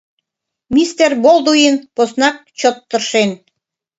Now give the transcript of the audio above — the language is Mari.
Мистер Болдуин поснак чот тыршен.